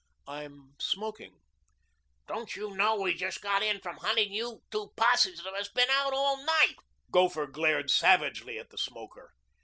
"I'm smoking." "Don't you know we just got in from hunting you two posses of us been out all night?" Gopher glared savagely at the smoker.